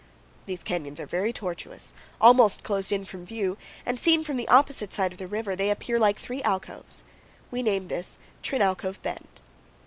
These canyons are very tortuous, almost closed in from view, and, seen from the opposite side of the river, they appear like three alcoves. We name this Trin Alcove Bend.